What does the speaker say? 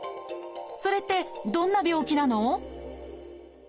それってどんな病気なの？